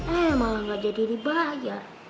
emang gak jadi dibayar